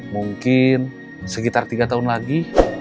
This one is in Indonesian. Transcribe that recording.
mungkin sekitar tiga tahun lagi